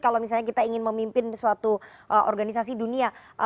dan memimpin suatu organisasi dunia